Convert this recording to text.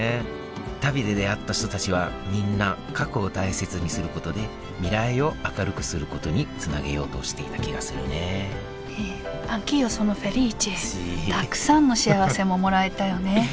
旅で出会った人たちはみんな過去を大切にすることで未来を明るくすることにつなげようとしていた気がするねたくさんのしあわせももらえたよね。